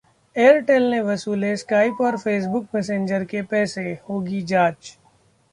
Airtel ने वसूले Skype और फेसबुक मैसेंजर के पैसे, होगी जांच